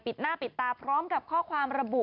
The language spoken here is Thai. หน้าปิดตาพร้อมกับข้อความระบุ